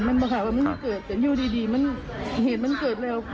มันมาหาว่ามันไม่เกิดแต่อยู่ดีมันเหตุมันเกิดแล้ว